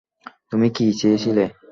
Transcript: তুমি কী চেয়েছিলে?